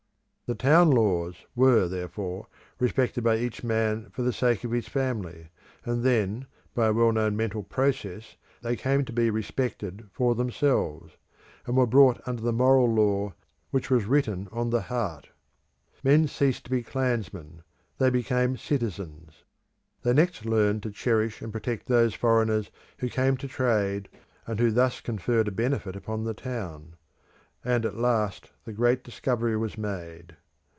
The town laws were, therefore, respected by each man for the sake of his family, and then by a well known mental process they came to be respected for themselves, and were brought under the moral law which was written on the heart. Men ceased to be clansmen; they became citizens. They next learnt to cherish and protect those foreigners who came to trade and who thus conferred a benefit upon the town; and at last the great discovery was made.